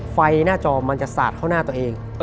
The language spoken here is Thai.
ไฟหน้าจอมันจะสาดเข้าหน้าตัวเอง